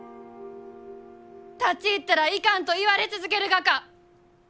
「立ち入ったらいかん」と言われ続けるがか？